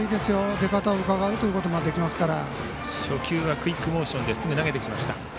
出方をうかがうことができますから。